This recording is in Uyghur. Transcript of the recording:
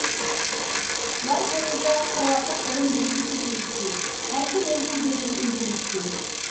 ئۇلار پويىزدا كارىۋاتلىق ئورۇن بېلىتى سېتىۋېلىشتى، ھەر كىم ئۆزىنىڭ بېلىتىنى ئۆزى ئېلىشتى.